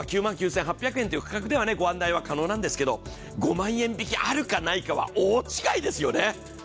９万９８００円という価格では可能なんですけれども５万円引きあるかないかは大違いですよね。